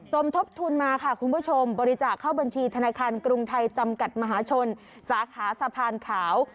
สมทบทุนมาค่ะคุณผู้ชมบริจาคเข้าบัญชีธนาคารกรุงไทยจำกัดมหาชนสาขาสะพานขาว